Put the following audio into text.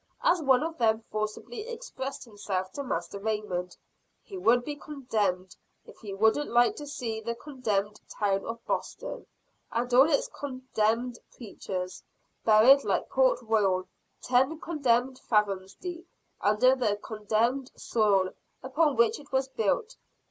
As one of them forcibly expressed himself to Master Raymond: "He would be condemned, if he wouldn't like to see the condemned town of Boston, and all its condemned preachers, buried like Port Royal, ten condemned fathoms deep, under the condemned soil upon which it was built!"